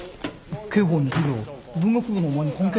刑法の授業文学部のお前に関係ないだろ。